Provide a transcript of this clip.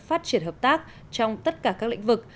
phát triển hợp tác trong tất cả các lĩnh vực